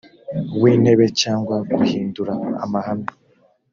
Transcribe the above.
w intebe cyangwa guhindura amahame